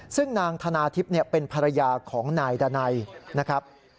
ซึ่งนางธนาทิพย์เป็นภรรยาของนายดานัยนะครับ